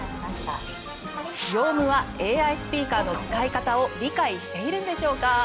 ヨウムはＡＩスピーカーの使い方を理解しているんでしょうか。